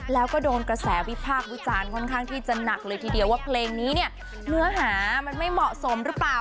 แล้วก็โดนกระแสวิพากษ์วิจารณ์ค่อนข้างที่จะหนักเลยทีเดียวว่าเพลงนี้เนี่ยเนื้อหามันไม่เหมาะสมหรือเปล่า